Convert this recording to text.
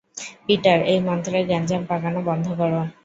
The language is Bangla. পিটার, এই মন্ত্রে গ্যাঞ্জাম পাকানো বন্ধ করো।